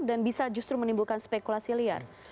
dan bisa justru menimbulkan spekulasi liar